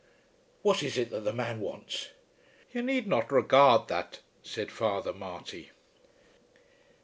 "What is it that the man wants?" "You need not regard that," said Father Marty.